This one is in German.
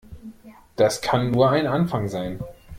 Das kann nur ein Anfang sein.